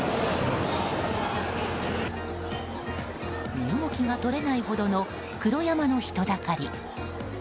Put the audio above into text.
身動きが取れないほどの黒山の人だかり。